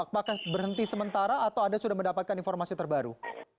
apakah berhenti sementara atau anda sudah mendapatkan informasi terbaru